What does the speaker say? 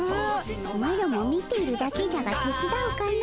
マロも見ているだけじゃがてつだうかの。